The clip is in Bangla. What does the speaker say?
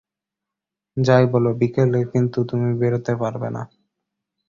যাই বল, বিকেলে কিন্তু তুমি বেরোতে পারবে না।